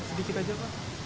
sedikit aja pak